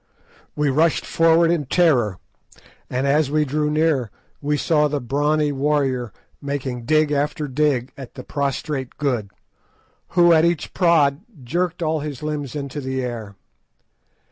We rushed forward in terror, and as we drew near we saw the brawny warrior making dig after dig at the prostrate Good, who at each prod jerked all his limbs into the air.